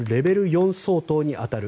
４相当に当たる。